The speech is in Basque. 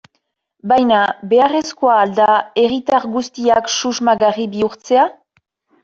Baina, beharrezkoa al da herritar guztiak susmagarri bihurtzea?